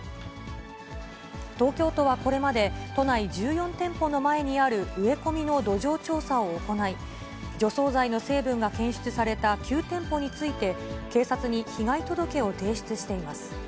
東京都はこれまで、都内１４店舗の前にある植え込みの土壌調査を行い、除草剤の成分が検出された９店舗について、警察に被害届を提出しています。